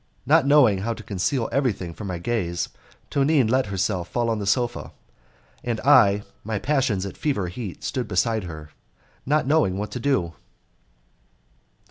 Not knowing how to conceal everything from my gaze, Tonine let herself fall on the sofa, and I, my passions at fever heat, stood beside her, not knowing what to do.